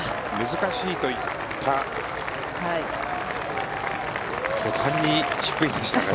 難しいと言った途端にチップインでしたね。